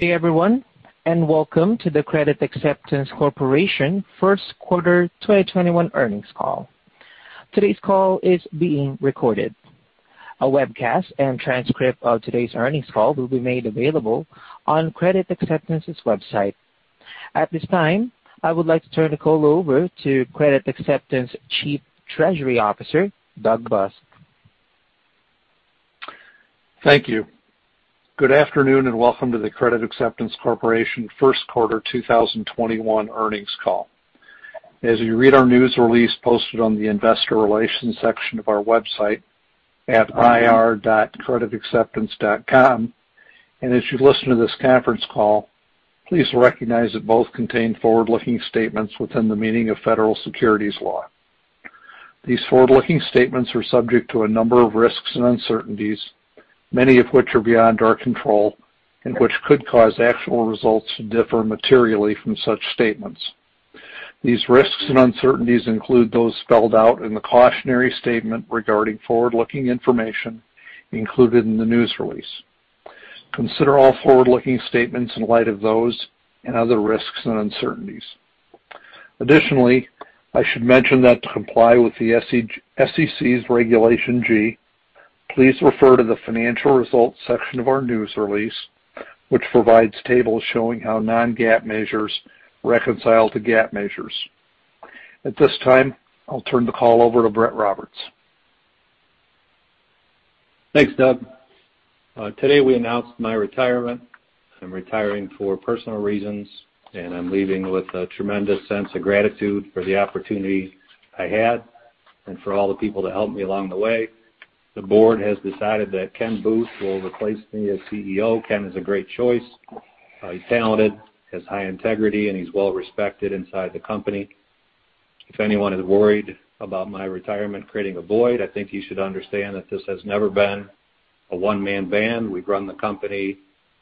Good day everyone, welcome to the Credit Acceptance Corporation First Quarter 2021 earnings call. Today's call is being recorded. A webcast and transcript of today's earnings call will be made available on Credit Acceptance's website. At this time, I would like to turn the call over to Credit Acceptance Chief Treasury Officer, Doug Busk. Thank you. Good afternoon, and welcome to the Credit Acceptance Corporation First Quarter 2021 earnings call. As you read our news release posted on the investor relations section of our website at ir.creditacceptance.com, and as you listen to this conference call, please recognize that both contain forward-looking statements within the meaning of Federal Securities law. These forward-looking statements are subject to a number of risks and uncertainties, many of which are beyond our control and which could cause actual results to differ materially from such statements. These risks and uncertainties include those spelled out in the cautionary statement regarding forward-looking information included in the news release. Consider all forward-looking statements in light of those and other risks and uncertainties. Additionally, I should mention that to comply with the SEC's Regulation G, please refer to the financial results section of our news release, which provides tables showing how non-GAAP measures reconcile to GAAP measures. At this time, I'll turn the call over to Brett Roberts. Thanks, Doug. Today we announced my retirement. I'm retiring for personal reasons, and I'm leaving with a tremendous sense of gratitude for the opportunity I had and for all the people that helped me along the way. The board has decided that Ken Booth will replace me as CEO. Ken is a great choice. He's talented, has high integrity, and he's well respected inside the company. If anyone is worried about my retirement creating a void, I think you should understand that this has never been a one-man band. We've run the company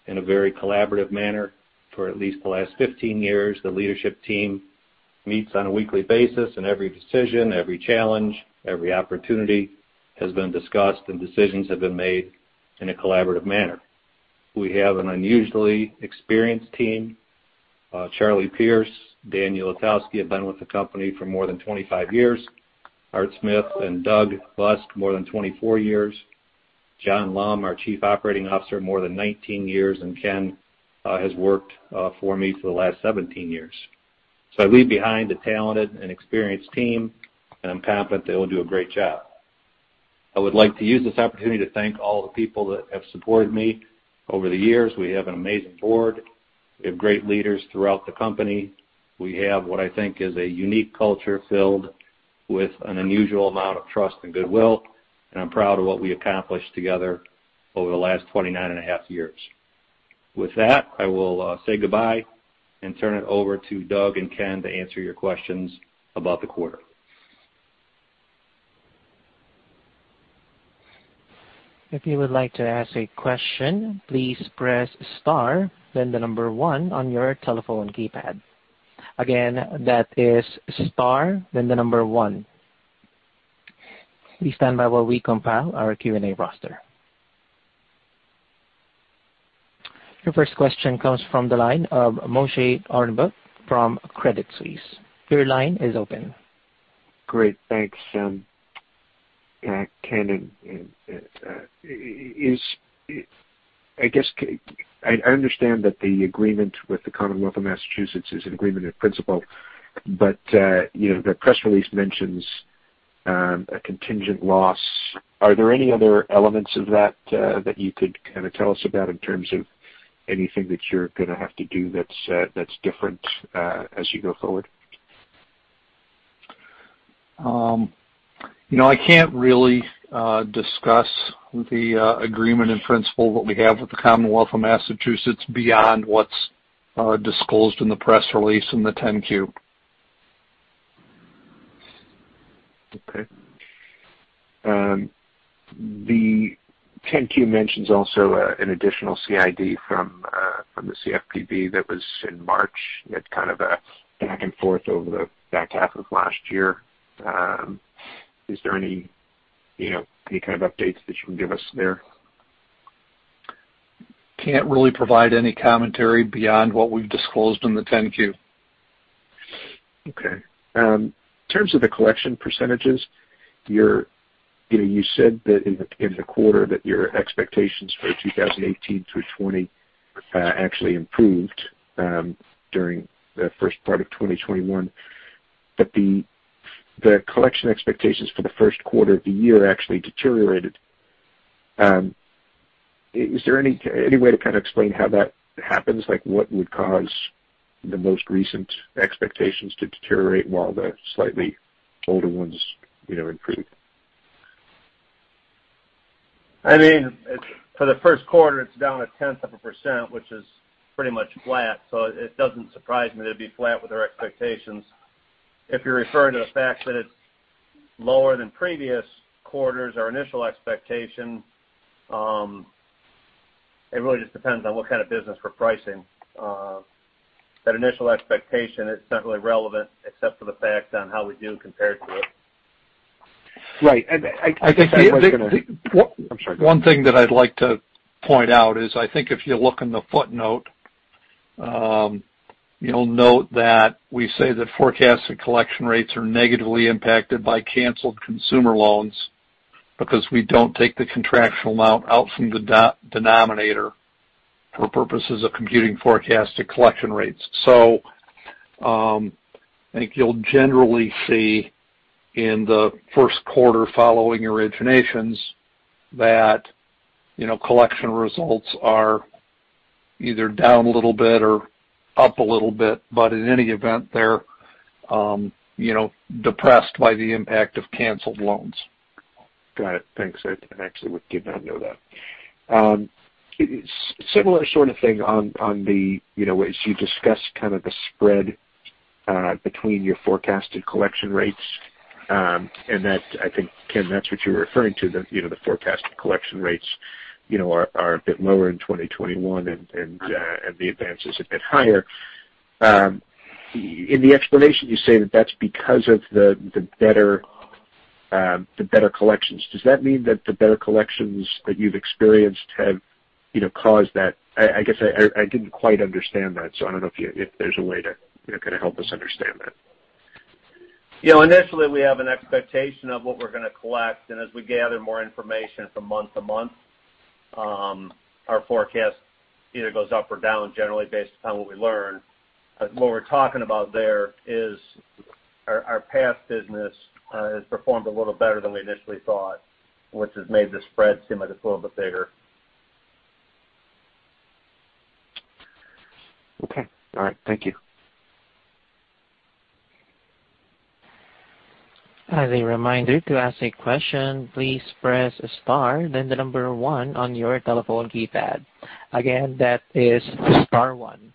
in a very collaborative manner for at least the last 15 years. The leadership team meets on a weekly basis, and every decision, every challenge, every opportunity has been discussed, and decisions have been made in a collaborative manner. We have an unusually experienced team. Charlie Pierce, Daniel A. Ulatowski have been with the company for more than 25 years. Arthur Smith and Doug Busk, more than 24 years. Jonathan Lum, our Chief Operating Officer, more than 19 years, and Ken has worked for me for the last 17 years. I leave behind a talented and experienced team, and I'm confident they will do a great job. I would like to use this opportunity to thank all the people that have supported me over the years. We have an amazing board. We have great leaders throughout the company. We have what I think is a unique culture filled with an unusual amount of trust and goodwill, and I'm proud of what we accomplished together over the last 29 and a half years. I will say goodbye and turn it over to Doug and Kenneth to answer your questions about the quarter. Your first question comes from the line of Moshe Orenbuch from Credit Suisse. Great. Thanks. Ken, I understand that the agreement with the Commonwealth of Massachusetts is an agreement in principle. The press release mentions a contingent loss. Are there any other elements of that that you could kind of tell us about in terms of anything that you're going to have to do that's different as you go forward? I can't really discuss the agreement in principle that we have with the Commonwealth of Massachusetts beyond what's disclosed in the press release in the 10-Q. Okay. The 10-Q mentions also an additional CID from the CFPB that was in March. It's kind of a back and forth over the back half of last year. Is there any kind of updates that you can give us there? Can't really provide any commentary beyond what we've disclosed in the 10-Q. Okay. In terms of the collection percentages, you said that in the quarter that your expectations for 2018 through 2020 actually improved during the first part of 2021. The collection expectations for the first quarter of the year actually deteriorated. Is there any way to kind of explain how that happens? What would cause the most recent expectations to deteriorate while the slightly older ones improve? For the first quarter, it's down a tenth of a percent, which is pretty much flat. It doesn't surprise me that it'd be flat with our expectations. If you're referring to the fact that it's lower than previous quarters, our initial expectation, it really just depends on what kind of business we're pricing. That initial expectation, it's not really relevant except for the fact on how we do compared to it. Right. I think. I'm sorry. One thing that I'd like to point out is, I think if you look in the footnote, you'll note that we say that forecasted collection rates are negatively impacted by canceled consumer loans because we don't take the contractual amount out from the denominator for purposes of computing forecasted collection rates. I think you'll generally see in the first quarter following originations that, collection results are either down a little bit or up a little bit. In any event, they're depressed by the impact of canceled loans. Got it. Thanks. I actually did not know that. Similar sort of thing on the, as you discussed kind of the spread between your forecasted collection rates, and that I think, Ken, that's what you were referring to, the forecasted collection rates are a bit lower in 2021 and the advances a bit higher. In the explanation you say that that's because of the better collections. Does that mean that the better collections that you've experienced have caused that I guess I didn't quite understand that, I don't know if there's a way to kind of help us understand that. Initially, we have an expectation of what we're going to collect, and as we gather more information from month to month, our forecast either goes up or down, generally based upon what we learn. What we're talking about there is our past business has performed a little better than we initially thought, which has made the spread seem like it's a little bit bigger. Okay. All right. Thank you. As a reminder, to ask a question, please press star then the number one on your telephone keypad. Again, that is star one.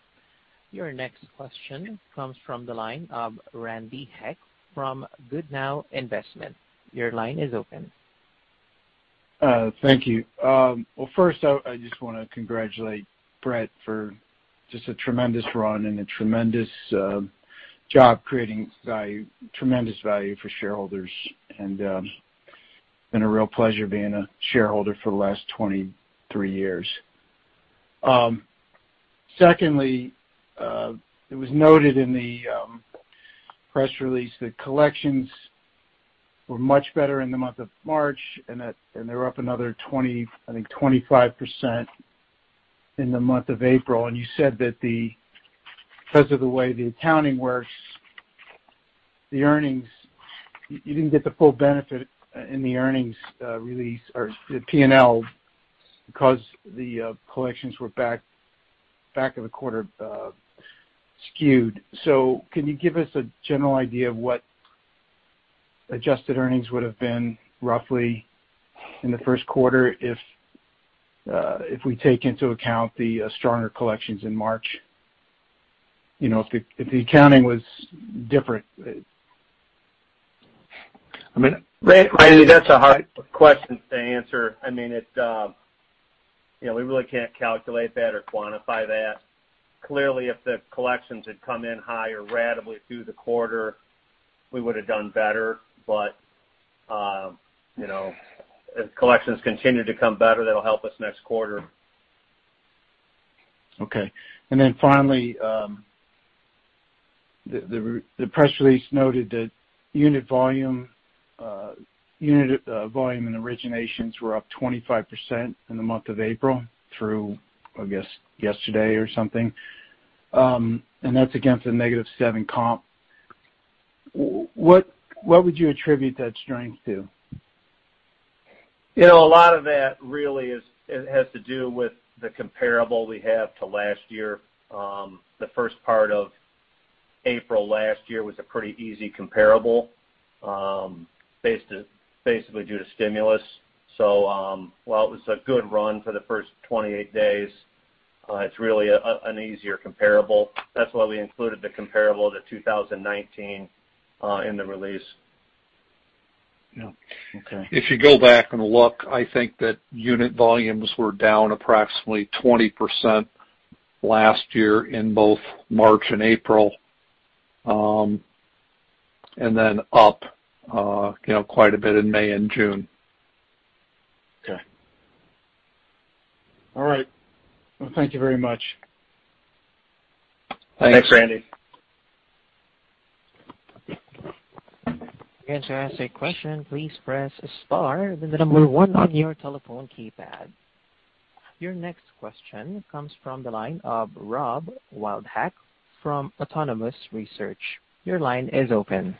Your next question comes from the line of Randy Heck from Goodnow Investment. Your line is open. Thank you. Well, first, I just want to congratulate Brett for just a tremendous run and a tremendous job creating tremendous value for shareholders. It's been a real pleasure being a shareholder for the last 23 years. Secondly, it was noted in the press release that collections were much better in the month of March, and they were up another 20, I think 25% in the month of April. You said that because of the way the accounting works, you didn't get the full benefit in the earnings release or the P&L because the collections were back of the quarter skewed. Can you give us a general idea of what adjusted earnings would've been roughly in the first quarter if we take into account the stronger collections in March? If the accounting was different. Randy, that's a hard question to answer. We really can't calculate that or quantify that. Clearly, if the collections had come in higher ratably through the quarter, we would've done better. If collections continue to come better, that'll help us next quarter. Okay. Finally, the press release noted that unit volume and originations were up 25% in the month of April through, I guess, yesterday or something. That's against a negative seven comp. What would you attribute that strength to? A lot of that really has to do with the comparable we have to last year. The first part of April last year was a pretty easy comparable, basically due to stimulus. While it was a good run for the first 28 days, it's really an easier comparable. That's why we included the comparable to 2019 in the release. Yeah. Okay. If you go back and look, I think that unit volumes were down approximately 20% last year in both March and April, and then up quite a bit in May and June. Okay. All right. Well, thank you very much. Thanks. Thanks, Randy. Your next question comes from the line of Rob Wildhack from Autonomous Research. Your line is open.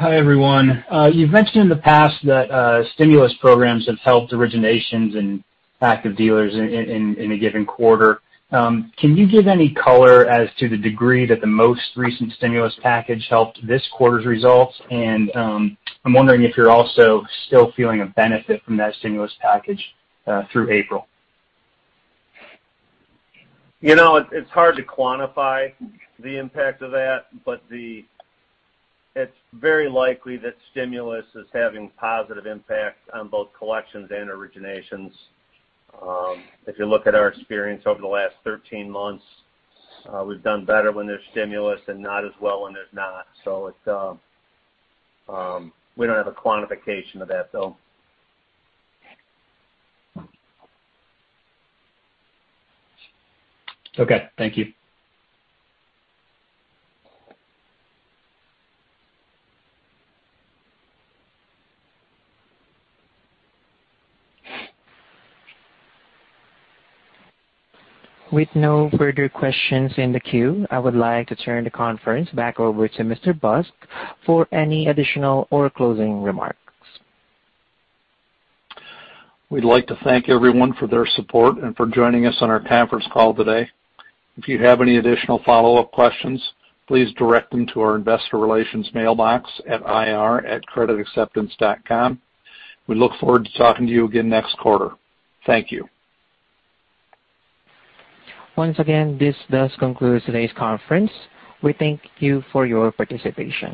Hi, everyone. You've mentioned in the past that stimulus programs have helped originations and active dealers in a given quarter. Can you give any color as to the degree that the most recent stimulus package helped this quarter's results? I'm wondering if you're also still feeling a benefit from that stimulus package through April? It's hard to quantify the impact of that, but it's very likely that stimulus is having positive impact on both collections and originations. If you look at our experience over the last 13 months, we've done better when there's stimulus and not as well when there's not. We don't have a quantification of that, though. Okay. Thank you. With no further questions in the queue, I would like to turn the conference back over to Mr. Busk for any additional or closing remarks. We'd like to thank everyone for their support and for joining us on our conference call today. If you have any additional follow-up questions, please direct them to our investor relations mailbox at ir@creditacceptance.com. We look forward to talking to you again next quarter. Thank you. Once again, this does conclude today's conference. We thank you for your participation.